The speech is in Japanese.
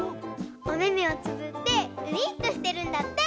おめめをつぶってウインクしてるんだって。